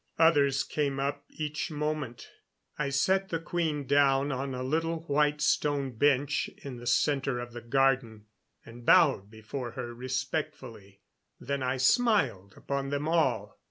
Others came up each moment. I sat the queen down on a little white stone bench in the center of the garden, and bowed before her respectfully. Then I smiled upon them all.